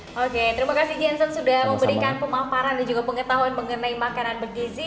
oke terima kasih jensen sudah memberikan pemahaman dan pengetahuan mengenai makanan bergizi